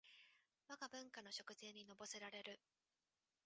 わが文化の食膳にのぼせられる